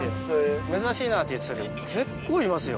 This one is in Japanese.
珍しいな！って言ってたけど結構いますよ。